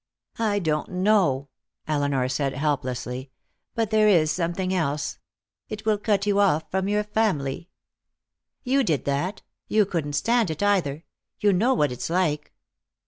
"I don't know," Elinor said helplessly. "But there is something else. It will cut you off from your family." "You did that. You couldn't stand it, either. You know what it's like."